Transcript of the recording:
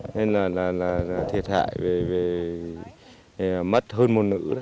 nên là thiệt hại về mất hơn một nữ